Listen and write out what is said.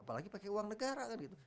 apalagi pakai uang negara kan gitu